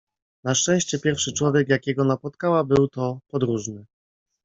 Na szczęście pierwszy człowiek, jakiego napotkała, był to podróżny.